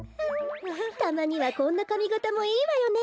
たまにはこんなかみがたもいいわよね。